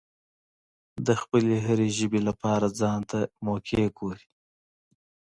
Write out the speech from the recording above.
د خپلې هرې ژبې لپاره ځانته موقع ګوري.